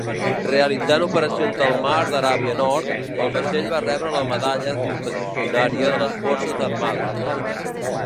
Realitzant operacions del mar d'Aràbia Nord, el vaixell va rebre la medalla expedicionària de les Forces Armades.